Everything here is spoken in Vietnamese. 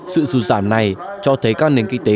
sự sụt giảm này cho thấy các nền kinh tế